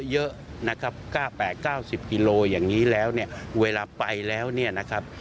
เยอะนะครับ๙๘๙๐กิโลอย่างนี้แล้วเนี่ยเวลาไปแล้วเนี่ยนะครับ